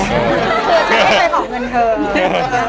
คือฉันไม่เคยบอกเงินเธอ